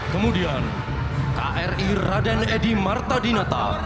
kemudian kri raden edy marta dinata